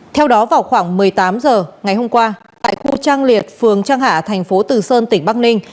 theo đó vào khoảng một mươi tám h ngày hôm qua tại khu trang liệt phường trang hạ tp tử sơn tỉnh bắc ninh